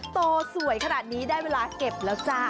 โตสวยขนาดนี้ได้เวลาเก็บแล้วจ้า